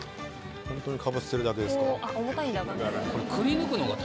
ホントにかぶせてるだけですか。